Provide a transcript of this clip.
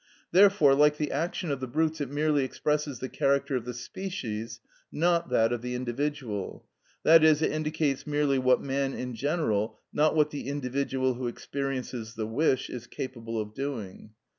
Therefore, like the action of the brutes, it merely expresses the character of the species, not that of the individual, i.e., it indicates merely what man in general, not what the individual who experiences the wish, is capable of doing.